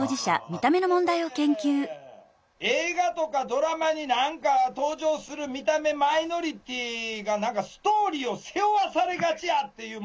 映画とかドラマに何か登場する見た目マイノリティーが何かストーリーを背負わされがちやっていう問題。